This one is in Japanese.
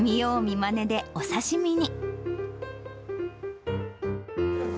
まねでお刺身に。